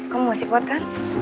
kamu masih kuat kan